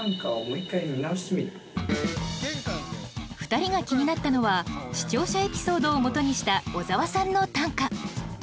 ２人が気になったのは視聴者エピソードをもとにした小沢さんの短歌。